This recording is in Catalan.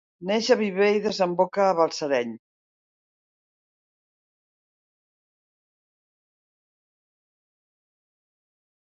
Neix a Viver i desemboca a Balsareny.